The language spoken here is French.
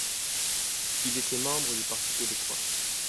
Il était membre du Parti québécois.